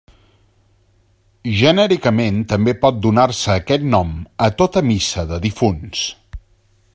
Genèricament també pot donar-se aquest nom a tota missa de difunts.